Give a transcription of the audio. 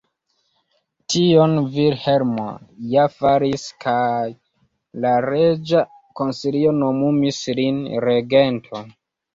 Tion Vilhelmo ja faris, kaj la reĝa konsilio nomumis lin regento.